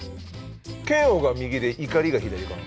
嫌悪が右で怒りが左かな？